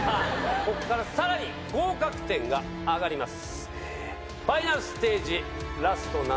こっからさらに合格点が上がります。